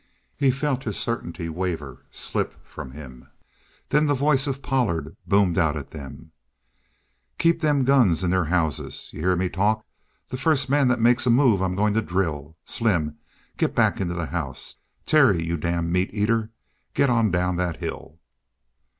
He felt his certainty waver, slip from him. Then the voice of Pollard boomed out at them: "Keep them guns in their houses! You hear me talk? The first man that makes a move I'm going to drill! Slim, get back into the house. Terry, you damn meateater, git on down that hill!"